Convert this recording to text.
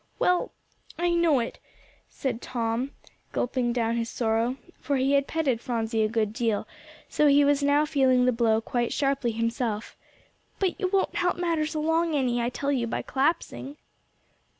"Well, I know it," said Tom, gulping down his sorrow, for he had petted Phronsie a good deal; so he was feeling the blow quite sharply himself, "but you won't help matters along any, I tell you, by collapsing."